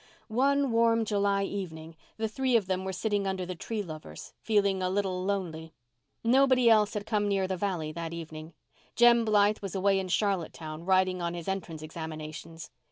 One warm July evening the three of them were sitting under the Tree Lovers, feeling a little lonely. Nobody else had come near the valley that evening. Jem Blythe was away in Charlottetown, writing on his entrance examinations.